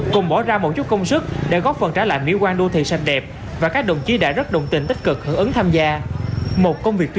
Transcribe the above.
cùng bỏ ra một chút công sức để góp phần trả lại mỹ quan đô thị xanh đẹp